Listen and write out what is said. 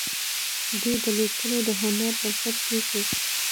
دوی د لیکلو د هنر بنسټ کېښود.